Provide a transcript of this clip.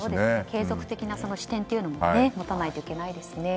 継続的な視点も持たないといけないですね。